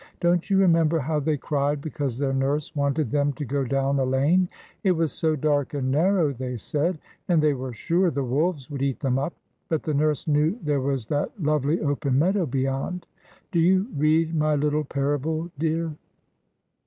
Don't you remember how they cried because their nurse wanted them to go down a lane it was so dark and narrow, they said, and they were sure the wolves would eat them up; but the nurse knew there was that lovely open meadow beyond. Do you read my little parable, dear?"